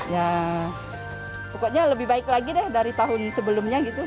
ya pokoknya lebih baik lagi deh dari tahun sebelumnya gitu